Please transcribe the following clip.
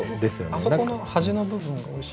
あそこの端の部分がおいしい。